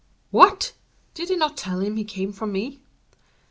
"What! did he not tell him he came from me?"